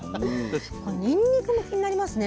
にんにくも気になりますね。